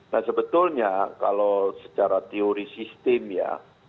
nah sebetulnya kalau secara teori sistem ya